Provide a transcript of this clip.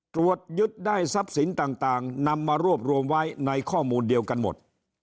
ตรวจยึดได้ทรัพย์สินต่างนำมารวบรวมไว้ในข้อมูลเดียวกันหมด